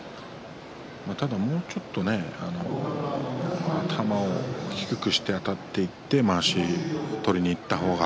ただ、もうちょっと頭を低くしてあたっていってまわしを取りにいった方が。